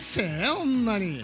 ほんまに。